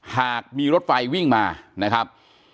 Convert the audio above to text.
หากมีรถไฟวิ่งมานะครับ